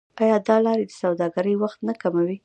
آیا دا لارې د سوداګرۍ وخت نه کموي؟